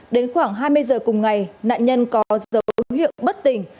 đến khoảng hai mươi giờ cùng ngày nạn nhân có dấu hiệu bất tỉnh